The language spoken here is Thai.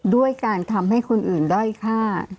ด้วยการทำให้คนอื่นด้อยค่า